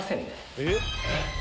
えっ？